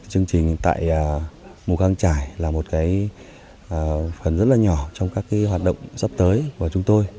chương trình tại mù căng trải là một phần rất là nhỏ trong các hoạt động sắp tới của chúng tôi